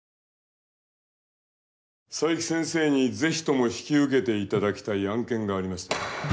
佐伯先生に是非とも引き受けていただきたい案件がありましてね。